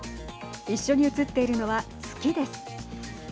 一緒に写っているのは月です。